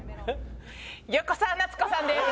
横澤夏子さんです。